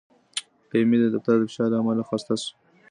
ایمي د دفتر د فشار له امله خسته شوه.